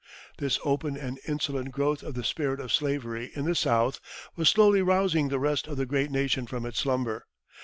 ] This open and insolent growth of the spirit of slavery in the South was slowly rousing the rest of the great nation from its slumber.